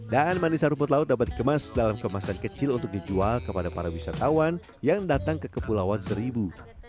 daan manisan rumput laut dapat dikemas dalam kemasan kecil untuk dijual kepada para wisatawan yang datang ke kepulauan seribu